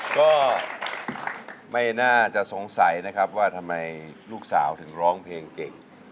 ก็ไม่น่าจะสงสัยนะครับว่าทำไมลูกสาวถึงร้องเพลงเก่ง